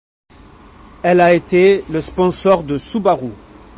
Elle a été le sponsor de Subaru.